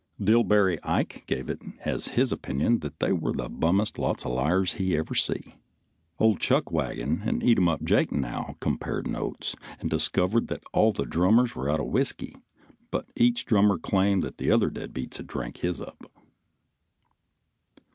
Dillbery Ike gave it as his opinion that they were the bummest lot of liars he ever see. Old Chuckwagon and Eatumup Jake now compared notes and discovered that all the drummers were out of whiskey, but each drummer claimed the other dead beats had drank his up.